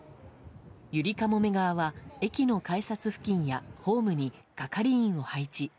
ゆりかもめ側は駅の改札付近や、ホームに係員を配置。